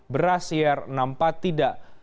beras cr enam puluh empat tidak